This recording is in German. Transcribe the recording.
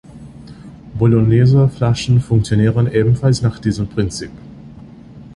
Bologneser Flaschen funktionieren ebenfalls nach diesem Prinzip.